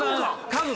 家具。